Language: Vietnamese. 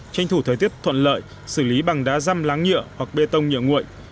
tranh thủ thời tiết thuận lợi xử lý bằng đá răm láng nhựa hoặc bê tông nhựa nguội